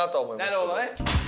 なるほどね。